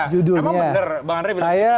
emang bener bang andre bilang pencitraan pak jokowi